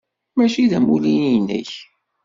Mačči d amulli-inek.